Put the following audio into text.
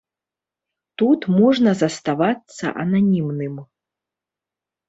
Тут можна заставацца ананімным.